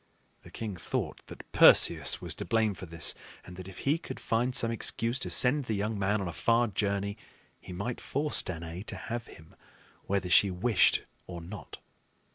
The king thought that Perseus was to blame for this, and that if he could find some excuse to send the young man on a far journey, he might force Danaë to have him whether she wished or not.